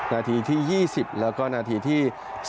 นาทีที่๒๐แล้วก็นาทีที่